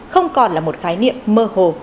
không còn là một khái niệm mơ hồ